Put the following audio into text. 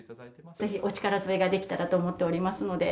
ぜひ、お力添えができたらと思っておりますので。